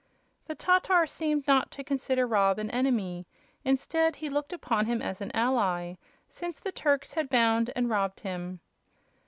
The Tatar seemed not to consider Rob an enemy. Instead, he looked upon him as an ally, since the Turks had bound and robbed him.